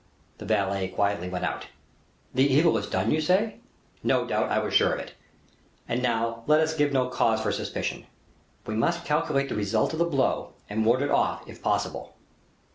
The valet quietly went out. "The evil is done, you say?" "No doubt; I was sure of it. And now, let us give no cause for suspicion; we must calculate the result of the blow, and ward it off, if possible."